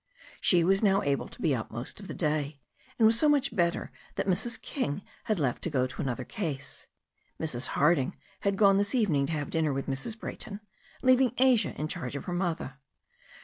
She was now able to be up most of the day, and was so much better that Mrs. King had left to go to another case. Mrs. Harding had gone this evening to have dinner with Mrs. Brayton, leaving Asia in charge of her mother.